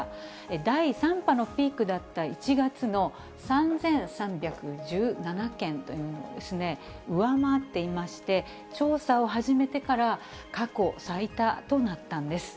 第３波のピークだった、１月の３３１７件というのを上回っていまして、調査を始めてから過去最多となったんです。